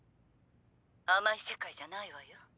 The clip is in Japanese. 甘い世界じゃないわよ。